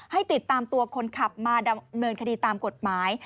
ให้ติดตามตัวคนขับมาดำเนินคดีตามกฎหมาย